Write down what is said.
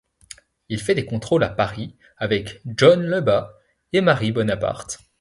Il fait des contrôles à Paris avec John Leuba et Marie Bonaparte.